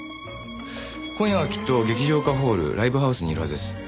今夜はきっと劇場かホールライブハウスにいるはずです。